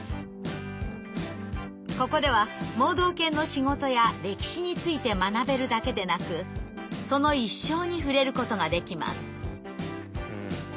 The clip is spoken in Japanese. ここでは盲導犬の仕事や歴史について学べるだけでなくその一生に触れることができます。